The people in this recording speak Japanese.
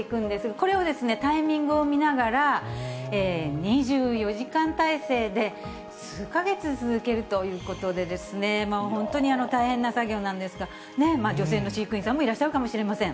これをタイミングを見ながら、２４時間態勢で、数か月続けるということでですね、本当に大変な作業なんですが、女性の飼育員さんもいらっしゃるかもしれません。